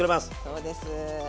そうです。